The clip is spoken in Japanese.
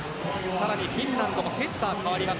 さらにフィンランドもセッターが代わります。